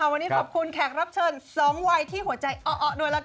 วันนี้ขอบคุณแขกรับเชิญ๒วัยที่หัวใจอ้อด้วยละกัน